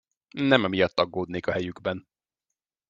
Nem emiatt aggódnék a helyükben.